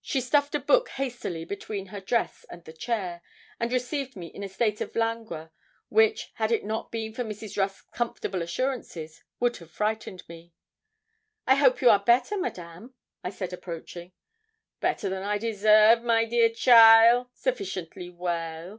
She stuffed a book hastily between her dress and the chair, and received me in a state of langour which, had it not been for Mrs. Rusk's comfortable assurances, would have frightened me. 'I hope you are better, Madame,' I said, approaching. 'Better than I deserve, my dear cheaile, sufficiently well.